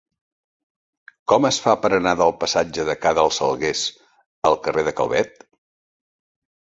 Com es fa per anar del passatge de Ca dels Seguers al carrer de Calvet?